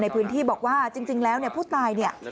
ในพื้นที่บอกว่าจริงแล้วผู้ตาย